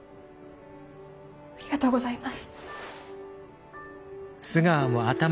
ありがとうございます。